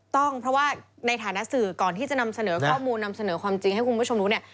ต้องเพราะว่าในฐานะสื่อก่อนที่จะนำเสนอข้อมูลนำเสนอความจริงให้คุณผู้ชมรู้เนี่ย